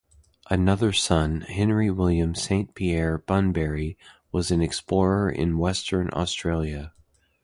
Another son Henry William Saint Pierre Bunbury was an explorer in Western Australia.